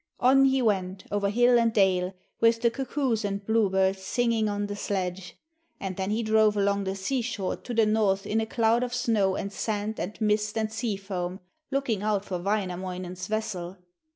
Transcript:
On he went, over hill and dale, with the cuckoos and blue birds singing on the sledge, and then he drove along the seashore to the north in a cloud of snow and sand and mist and sea foam, looking out for Wainamoinen's vessel.